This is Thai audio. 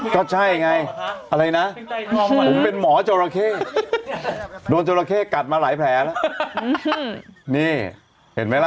ก็ใช่ไงอะไรนะผมเป็นหมอจราเข้โดนจราเข้กัดมาหลายแผลแล้วนี่เห็นไหมล่ะ